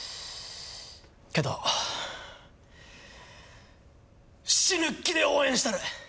けど死ぬ気で応援したる！